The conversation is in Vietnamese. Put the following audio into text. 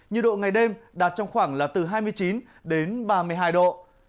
nhiệt độ ngày đêm đạt trong khoảng là từ hai mươi chín đến ba mươi hai độ